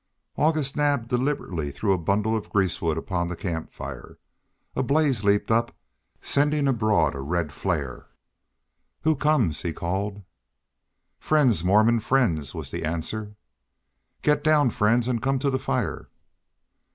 August Naab deliberately threw a bundle of grease wood upon the camp fire. A blaze leaped up, sending abroad a red flare. "Who comes?" he called. "Friends, Mormons, friends," was the answer. "Get down friends and come to the fire."